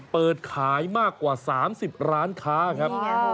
เปิดขายมากกว่า๓๐ร้านค้าครับ